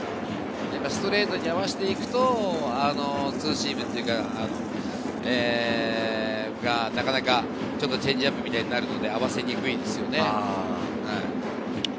ストレートに合わせていくと、あのツーシームというか、なかなか、ちょっとチェンジアップみたいになるので合わせにくいですよね。